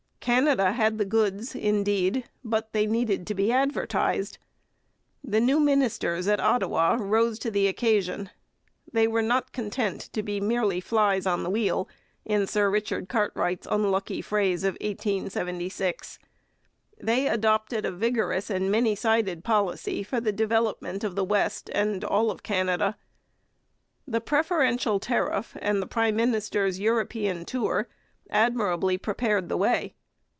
Canada had the goods, indeed, but they needed to be advertised. The new ministers at Ottawa rose to the occasion. They were not content to be 'merely flies on the wheel,' in Sir Richard Cartwright's unlucky phrase of 1876. They adopted a vigorous and many sided policy for the development of the West and of all Canada. The preferential tariff and the prime minister's European tour admirably prepared the way.